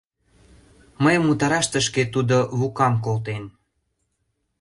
Мыйым утараш тышке Тудо Лукам колтен.